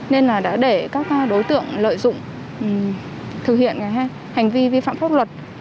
nên là đã để các đối tượng lợi dụng thực hiện hành vi vi phạm pháp luật